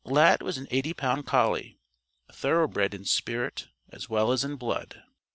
Lad was an eighty pound collie, thoroughbred in spirit as well as in blood.